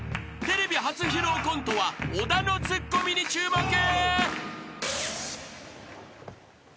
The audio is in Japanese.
テレビ初披露コントは小田のツッコミに注目］